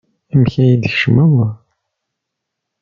Amek ay d-tkecmeḍ?